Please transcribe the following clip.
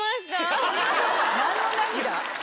何の涙？